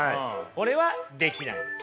これはできないんです。